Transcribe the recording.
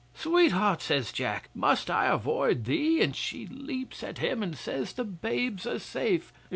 '"Sweetheart!" says Jack. "Must I avoid thee?" and she leaps at him and says the babes are safe.